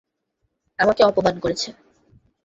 আমাকে অপমান করেছে!